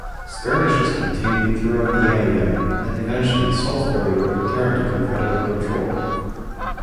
Skirmishes continued throughout the area, and eventually Saulsbury would return to Confederate control.